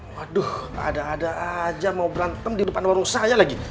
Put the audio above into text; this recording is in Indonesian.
waduh ada ada aja mau berantem di depan warung saya lagi